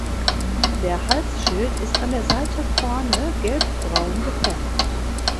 Der Halsschild ist an der Seite vorne gelbbraun gefärbt.